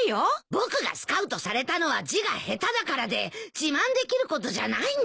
僕がスカウトされたのは字が下手だからで自慢できることじゃないんだ。